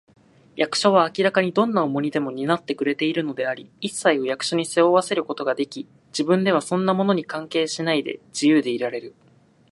役所は明らかにどんな重荷でも担ってくれているのであり、いっさいを役所に背負わせることができ、自分ではそんなものに関係しないで、自由でいられる